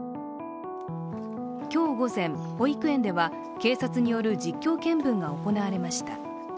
今日午前、保育園では警察による実況検分が行われました。